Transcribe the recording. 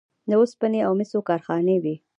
د وسپنې او مسو کارخانې وې